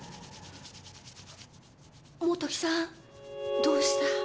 本木さんどうした？